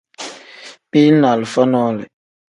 Mili ni alifa nole.